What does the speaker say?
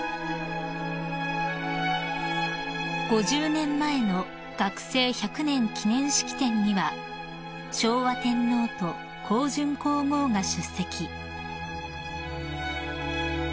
［５０年前の学制百年記念式典には昭和天皇と香淳皇后が出席］